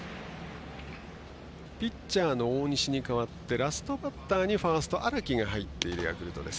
ピッチャーの大西に代わってラストバッターにファースト荒木が入っているヤクルトです。